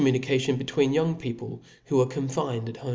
munication between young people, who are confined 7 .